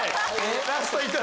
ラスト１人！